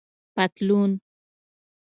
👖پطلون